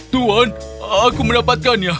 tuan aku mendapatkannya